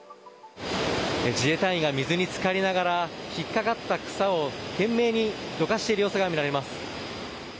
自衛隊員が水に浸かりながら引っかかった草を懸命にどかしている様子が見られます。